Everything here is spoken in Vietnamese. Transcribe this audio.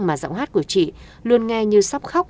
mà giọng hát của chị luôn nghe như sắp khóc